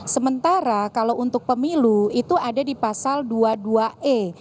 sementara kalau untuk pemilu itu ada di pasal dua puluh dua e